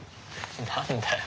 何だよ。